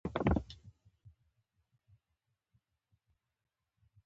دا نوم هشتنګار بللی دی.